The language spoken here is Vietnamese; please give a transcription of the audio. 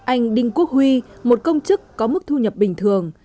anh đinh quốc huy một công chức có mức thu nhập bình thường